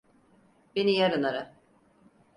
Beni yarın ara.